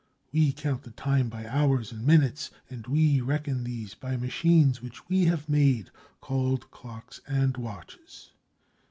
We count the time by hours and minutes, and we reckon these by machines which we have made, called clocks and watches.